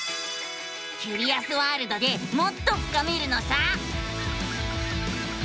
キュリアスワールドでもっと深めるのさ！